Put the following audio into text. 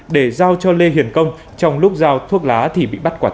để giao cho lê hiền công trong lúc giao thuốc lá thì bị bắt quả tàng